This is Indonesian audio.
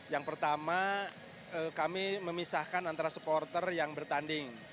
yang pertama kami memisahkan antara supporter yang bertanding